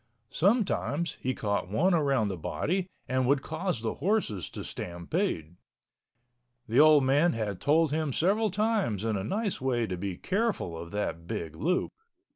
Sometimes he caught one around the body and would cause the horses to stampede. The old man had told him several times in a nice way to be careful of that big loop.